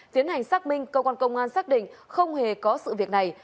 tiến hành xác minh cơ quan công an xác định không hề có sự việc này